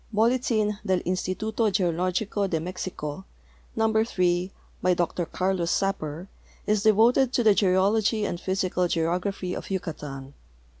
Boldin del LndiHdo Geologico de Mexico, number 3, by Dr Carlos Sapper, is devoted to the geology and physical geography of Yucatan.